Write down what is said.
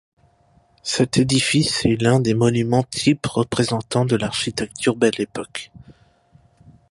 Cet édifice est l’un des monuments types représentants de l’architecture Belle Époque.